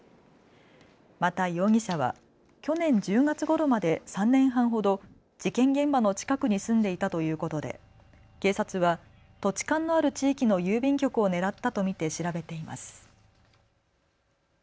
また容疑者は去年１０月ごろまで３年半ほど事件現場の近くに住んでいたということで警察は土地勘のある地域の郵便局を狙ったと見て調べています。